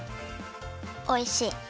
おいしい。